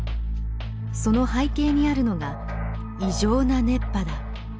その背景にあるのが異常な熱波だ。